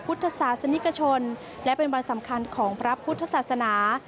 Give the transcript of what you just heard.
พุทธศาสนิกชนและเป็นวันสำคัญของพระพุทธศาสนา